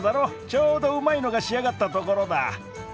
ちょうどうまいのが仕上がったところだ。